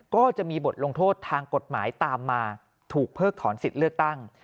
ก็จะมีบทลงโทษทางกฎหมายตามมาถูกเพิกถอนสิทธิ์เลือกตั้ง